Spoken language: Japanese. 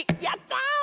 「やった！